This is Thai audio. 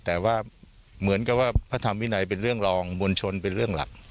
แต่ว่าเหมือนกับว่าพระธรรมวินัยเป็นเรื่องรองมวลชนเป็นเรื่องหลัก